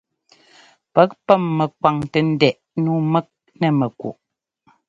Pɛk pɛ́m mɛkwaŋtɛ ndɛꞌɛ nǔu mɛk nɛ mɛkuꞌ.